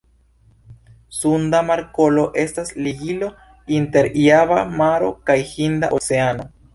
Sunda Markolo estas ligilo inter Java Maro kaj Hinda Oceano.